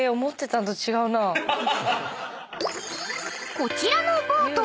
［こちらのボート